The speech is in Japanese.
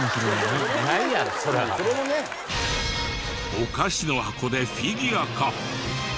お菓子の箱でフィギュアか？